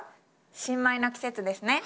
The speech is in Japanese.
新米の季節ですね。